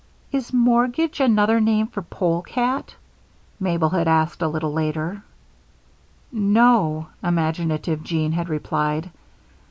"Is mortgage another name for polecat?" Mabel had asked a little later. "No," imaginative Jean had replied.